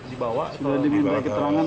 dibawa atau diminta keterangan